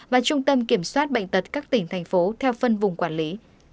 và trung tâm kiểm soát bệnh tật các tỉnh thành phố theo phân vùng quản lý